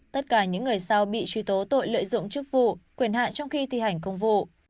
tất cả những người sau bị truy tố tội lợi dụng chức vụ quyền hạn trong khi thi hành công vụ